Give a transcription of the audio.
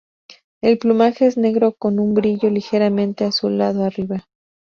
El plumaje es negro con un brillo ligeramente azulado arriba.